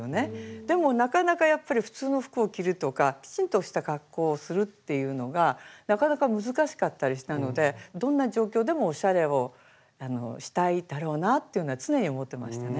でもなかなかやっぱり普通の服を着るとかきちんとした格好をするっていうのがなかなか難しかったりしたのでどんな状況でもおしゃれをしたいだろうなっていうのは常に思ってましたね。